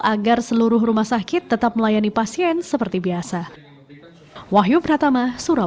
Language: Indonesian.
agar seluruh rumah sakit tetap melayani pasien seperti biasa